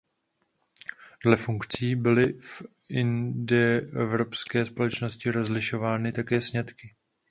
Dle funkcí byly v indoevropské společnosti rozlišovány také sňatky.